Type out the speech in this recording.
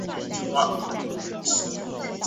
多希巴以垦山为生。